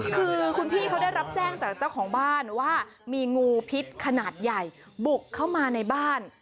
คือคุณพี่เขาได้รับแจ้งจากเจ้าของบ้านว่ามีงูพิษขนาดใหญ่บุกเข้ามาในบ้าน